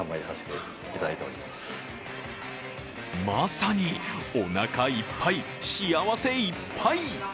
まさにおなかいっぱい幸せいっぱい。